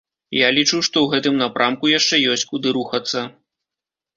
Я лічу, што ў гэтым напрамку яшчэ ёсць куды рухацца.